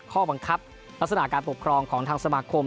ข้อบังคับลักษณะการปกครองของทางสมาคม